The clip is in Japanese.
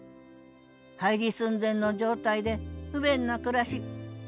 廃寺寸前の状態で不便な暮らし。